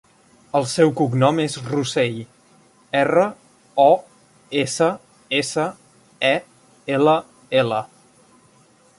El seu cognom és Rossell: erra, o, essa, essa, e, ela, ela.